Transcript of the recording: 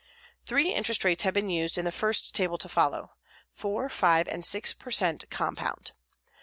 Three interest rates have been used in the first table to follow: 4, 5 and 6 per cent, compound.